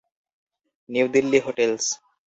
New Delhi hotels.